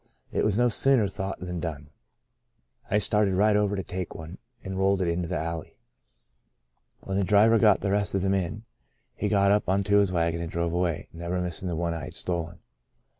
It was no sooner thought than done. I started right over to take one, and rolled it into the alley. 1 24 " Out of Nazareth " When the driver got the rest of them in, he got up onto his wagon and drove away, never missing the one I had stolen.